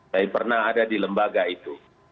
tapi pernah ada di lembaga itu